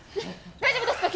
大丈夫ですか！？